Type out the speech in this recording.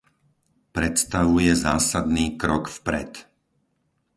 Predstavuje zásadný krok vpred.